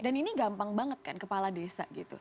dan ini gampang banget kan kepala desa gitu